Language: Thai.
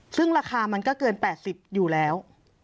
ซึ่งราคามันก็เกิน๘๐อยู่แล้ว